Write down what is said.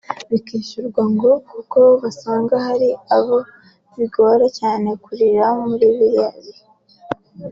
bakishyurwa ngo kuko basanga hari abo bigora cyane kurira muri biriya bihe